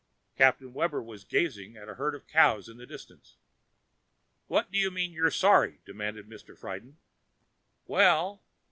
Captain Webber was gazing at a herd of cows in the distance. "What do you mean, you're 'sorry'?" demanded Mr. Friden. "Well...."